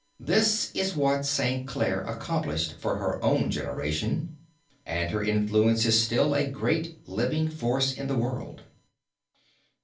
This is what St. Clare accomplished for her own generation and her influence is still a great living force in the world.